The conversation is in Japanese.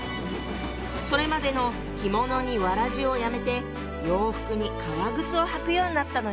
それまでの着物に草鞋をやめて洋服に革靴を履くようになったのよ。